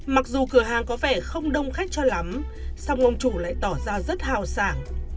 mặc dù cửa hàng có vẻ không đông khách cho lắm song ông chủ lại tỏ ra rất hào sảng